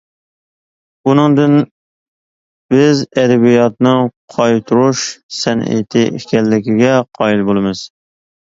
بۇنىڭدىن بىز ئەدەبىياتنىڭ قايتۇرۇش سەنئىتى ئىكەنلىكىگە قايىل بولىمىز.